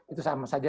itu sama saja